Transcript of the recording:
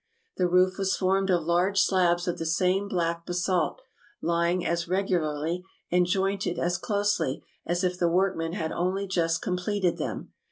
The roof was formed of large slabs of the same black basalt, lying as regularly, and jointed as closely, as if the workmen had only just completed them.